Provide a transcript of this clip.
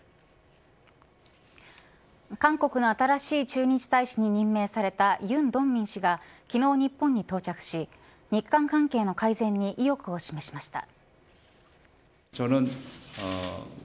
韓国の新しい駐日大使に任命された尹徳敏氏が昨日、日本に到着し日韓関係の改善に意欲を示しました。